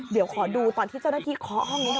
เดี๋ยวขอดูตอนที่เจ้าหน้าที่เคาะห้องนี้ค่ะ